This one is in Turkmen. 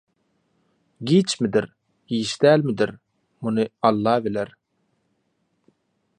Giçmidir, giç dälmidir – muny Alla biler